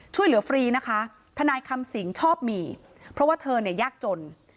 ช่วยเหลือฟรีนะคะทนายคำสิงชอบมีเพราะว่าเธอเนี่ยยากจน